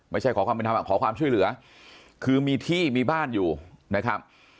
ขอความเป็นธรรมขอความช่วยเหลือคือมีที่มีบ้านอยู่นะครับ